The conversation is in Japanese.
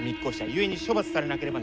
故に処罰されなければならない。